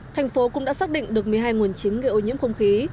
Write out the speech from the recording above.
thành phố cũng đã xác định được một mươi hai nguồn chính gây ô nhiễm không khí